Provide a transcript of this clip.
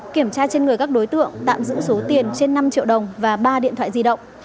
kiểm tra trên người các đối tượng tạm giữ số tiền trên năm triệu đồng và ba điện thoại di động